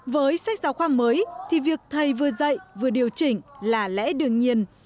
với sách giáo khoa mới thì việc thầy vừa dạy vừa điều chỉnh là lẽ đương nhiên